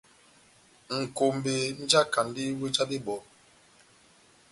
Nʼkombé mújakandi wéh já bebɔdu.